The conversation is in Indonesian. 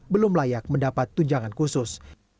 belum layak mendapat tunjangan khusus